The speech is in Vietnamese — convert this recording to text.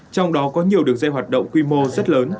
trong đó có nhiều đường dây hoạt động quy mô